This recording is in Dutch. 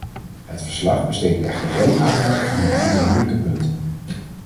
Het verslag besteedt echter geen aandacht aan een aantal moeilijke punten.